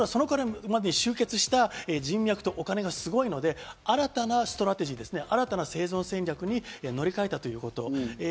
集結した人脈とお金がそれまでですごいので、新たなストラテジー、新たな政治戦略に乗り換えたということ。